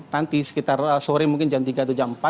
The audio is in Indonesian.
nanti sekitar sore mungkin jam tiga atau jam empat